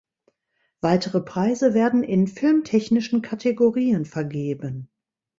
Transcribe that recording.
Weitere Preise werden in filmtechnischen Kategorien vergeben.